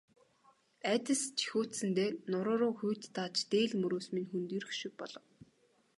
Айдас жихүүдсэндээ нуруу руу хүйт дааж, дээл мөрөөс минь хөндийрөх шиг болов.